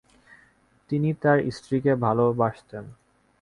তিনি তার স্ত্রীকে ভালোবাসতেন।